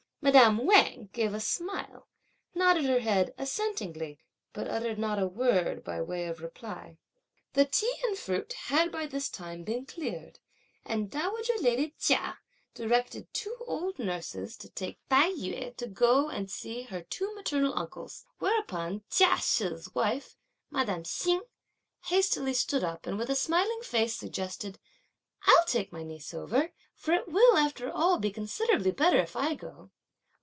Madame Wang gave a smile, nodded her head assentingly, but uttered not a word by way of reply. The tea and fruit had by this time been cleared, and dowager lady Chia directed two old nurses to take Tai yü to go and see her two maternal uncles; whereupon Chia She's wife, madame Hsing, hastily stood up and with a smiling face suggested, "I'll take my niece over; for it will after all be considerably better if I go!"